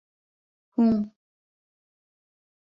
Һуң...